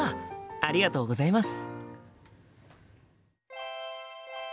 ありがとうございます。